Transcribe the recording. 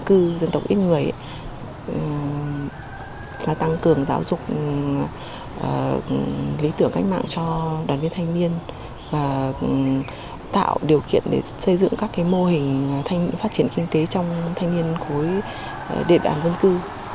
các người tăng cường giáo dục lý tưởng cách mạng cho đoàn viên thanh niên và tạo điều kiện để xây dựng các mô hình phát triển kinh tế trong thanh niên cuối đệ đoàn dân cư